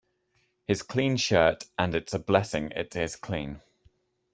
His clean shirt — and it’s a blessing it is clean.